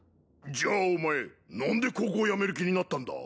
じゃあお前何で高校辞める気になったんだ？